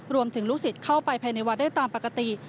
ลูกศิษย์เข้าไปภายในวัดได้ตามปกติ